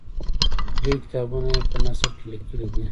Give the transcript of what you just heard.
ډېر کتابونه یې په نثر کې لیکلي دي.